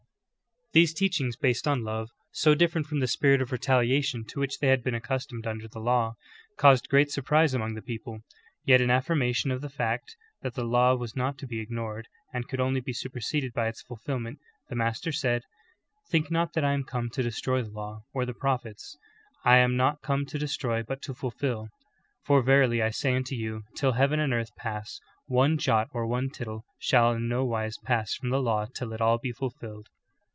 "'^ 9. These teachings, based on love, so different from the spirit of retaliation to which they had been accustomed under the law, caused great surprise among the people ; yet in affirmation of the fact that the law was not to be ignored, and could only be superseded by its fulfilment, the Master said : "Think not that I am come to destroy the law, or the prophets : I am not come to destroy but to fulfil. For verily I say unto you. Till heaven and earth pass, one jot or one tittle shall in no wise pass from the law till all be fulfilled."